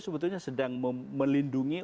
sebetulnya sedang melindungi